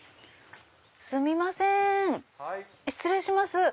すみません失礼します。